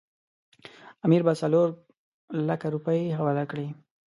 امیر به څلورلکه روپۍ حواله کړي.